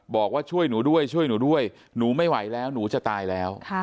บอกว่าช่วยหนูด้วยช่วยหนูด้วยหนูไม่ไหวแล้วหนูจะตายแล้ว